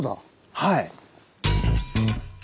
はい。